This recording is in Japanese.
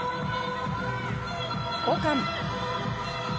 交換。